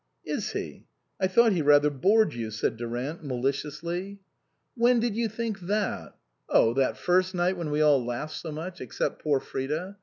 " Is he ? I thought he rather bored you," said Durant maliciously. 88 INLAND "When did you think that? Oh, that first night when we all laughed so much, except poor Frida.